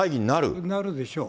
なるでしょう。